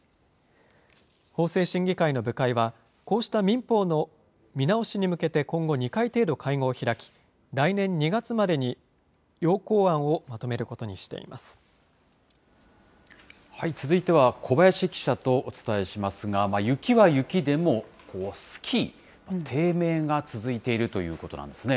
法制審議会の部会は、こうした民法の見直しに向けて今後、２回程度会合を開き、来年２月までに要続いては小林記者とお伝えしますが、雪は雪でも、スキー、低迷が続いているということなんですね。